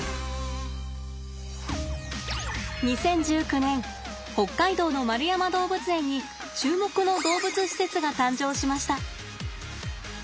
続いては２０１９年北海道の円山動物園に注目の動物施設が誕生しました。